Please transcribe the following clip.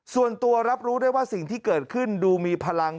ส่วนตัวรับรู้ได้ว่าสิ่งที่เกิดขึ้นดูมีพลัง